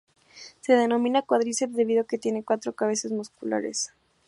Se denomina cuádriceps debido a que tiene cuatro cabezas musculares.